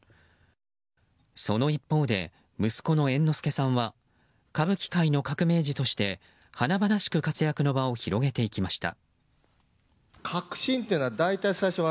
その一方で息子の猿之助さんは歌舞伎界の革命児として華々しく活躍の場を広げてきました。